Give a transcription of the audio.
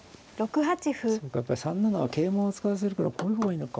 そうかやっぱり３七は桂馬を使わせるからこういう方がいいのか。